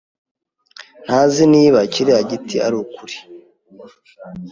Ntazi niba kiriya giti ari ukuri.